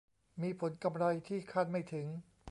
มีผลกำไรที่คาดไม่ถึง